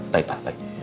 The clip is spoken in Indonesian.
baik pak baik